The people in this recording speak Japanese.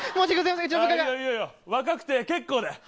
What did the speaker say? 若くて結構だよ。